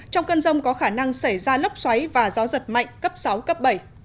trong cơn rông có khả năng xảy ra lốc xoáy và gió giật mạnh cấp sáu cấp bảy